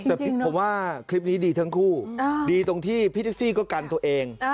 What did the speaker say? แต่ผมว่าคลิปนี้ดีทั้งคู่ดีตรงที่พี่แท็กซี่ก็กันตัวเอง